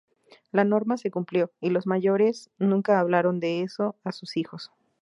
La norma se cumplió, y los mayores nunca hablaron de esto a sus hijos.